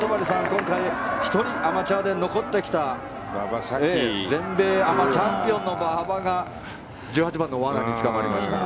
今回１人アマチュアで残ってきた全米アマチャンピオンの馬場が１８番の罠につかまりました。